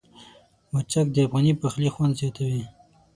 مرچک د افغاني پخلي خوند زیاتوي.